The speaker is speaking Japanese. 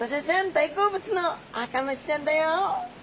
大好物のアカムシちゃんだよ！